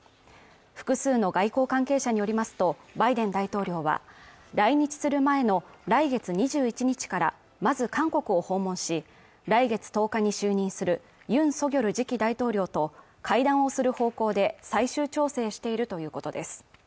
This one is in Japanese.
複数の外交関係者によりますとバイデン大統領は来日する前の来月２１日からまず韓国を訪問し来月１０日に就任するユン・ソギョル次期大統領と会談をする方向で最終調整しているということです